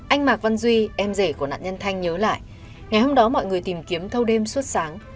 anh mạc văn duy em rể của nạn nhân thanh nhớ lại ngày hôm đó mọi người tìm kiếm thâu đêm suốt sáng